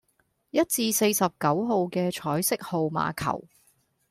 一至四十九號既彩色號碼球